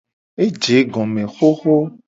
Eje egome hoho.